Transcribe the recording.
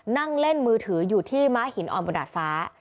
นั่งเล่นมือถืออยู่ที่ม้าหินอ่อนบนดาดฟ้า